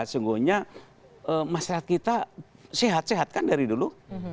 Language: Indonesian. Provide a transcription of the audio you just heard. sungguhnya masyarakat kita sehat sehat kan dari dulu